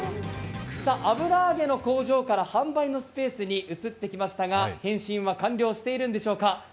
油揚げの工場から販売のスペースに移ってきましたが変身は完了しているんでしょうか。